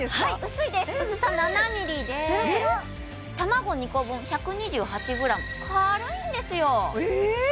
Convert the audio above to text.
薄さ７ｍｍで卵２個分１２８ｇ軽いんですよえ